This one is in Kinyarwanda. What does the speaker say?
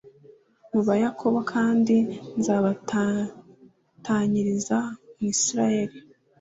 mu ba yakobo kandi nzabatatanyiriza muri isirayeli